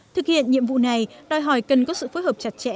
thực hiện nhiệm vụ này đòi hỏi cần có sự phối hợp chặt chẽ